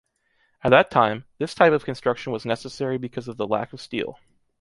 At that time, this type of construction was necessary because of the lack of steel.